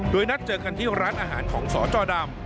โดยนัดเจอกันที่ร้านอาหารของสจดำ